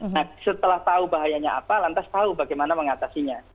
nah setelah tahu bahayanya apa lantas tahu bagaimana mengatasinya